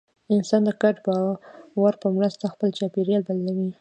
انسانان د ګډ باور په مرسته خپل چاپېریال بدلوي.